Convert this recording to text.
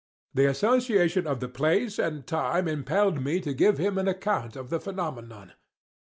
The association of the place and time impelled me to give him an account of the phenomenon.